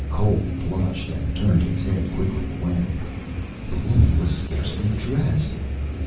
Cole blushed and turned his head quickly away. The woman was scarcely dressed!